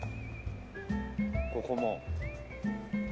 ここも。